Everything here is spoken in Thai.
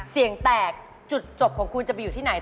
เสียงแตกจุดจบของคุณจะไปอยู่ที่ไหน